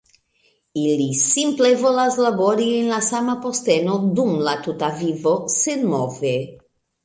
Ili simple volas labori en la sama posteno dum la tuta vivo, senmove.